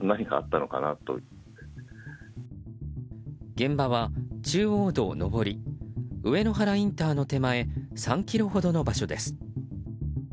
現場は中央道上り上野原インターの手前３ｋｍほどの場所です。